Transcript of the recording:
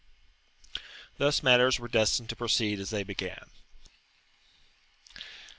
50]Thus matters were destined to proceed as they began.